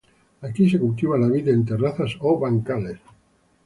Aquí se cultiva la vid en terrazas o bancales.